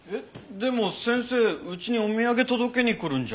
でも先生うちにお土産届けに来るんじゃ。